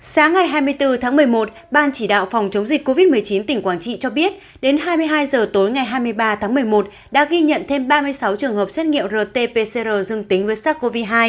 sáng ngày hai mươi bốn tháng một mươi một ban chỉ đạo phòng chống dịch covid một mươi chín tỉnh quảng trị cho biết đến hai mươi hai h tối ngày hai mươi ba tháng một mươi một đã ghi nhận thêm ba mươi sáu trường hợp xét nghiệm rt pcr dương tính với sars cov hai